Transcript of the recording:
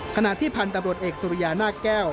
ขณะที่พันธุ์ตำรวจเอกสุริยานาคแก้ว